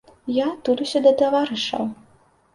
Я тулюся да таварышаў.